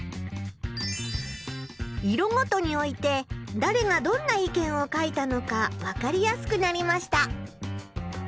色ごとに置いてだれがどんな意見を書いたのか分かりやすくなりました。